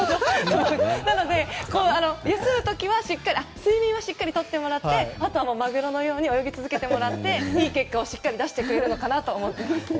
なので、休む時は睡眠はしっかりとってもらってあとはマグロのように泳ぎ続けてもらっていい結果をしっかり出してくれるかなと思っています。